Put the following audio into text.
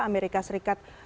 amerika serikat punya